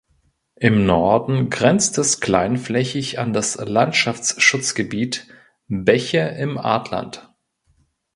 Im Norden grenzt es kleinflächig an das Landschaftsschutzgebiet „Bäche im Artland“.